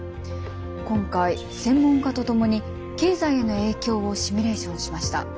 今回専門家と共に経済への影響をシミュレーションしました。